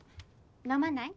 飲まない？